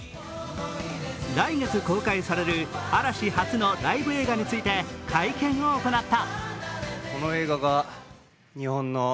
来月公開される嵐初のライブ映画について会見を行った。